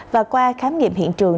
và qua khám nghiệm hiện trường